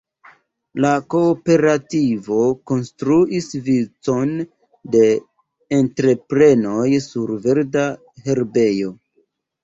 La kooperativo konstruis vicon de entreprenoj "sur verda herbejo".